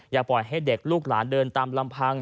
อย่าปล่อยให้เด็กลูกหลานเดินตามลำพัง